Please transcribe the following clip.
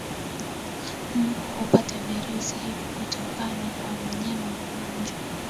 Mbu hupata virusi hivi kutoka kwa mnyama mgonjwa